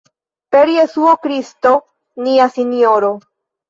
Per Jesuo Kristo nia Sinjoro.